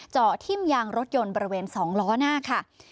เจาะทิ้มยางรถยนต์บริเวณ๒ล้อหน้าค่ะ